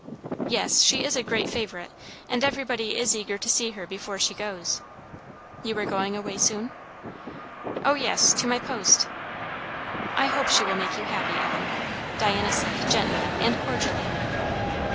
"Yes, she is a great favourite, and everybody is eager to see her before she goes." "You are going away soon?" "O yes! to my post." "I hope she will make you happy, Evan," Diana said gently and cordially.